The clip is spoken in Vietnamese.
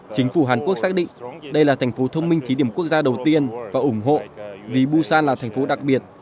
chính phủ hàn quốc xác định đây là thành phố thông minh thí điểm quốc gia đầu tiên và ủng hộ vì busan là thành phố đặc biệt